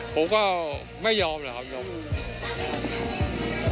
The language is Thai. ผมก็ไม่ยอมเลยครับ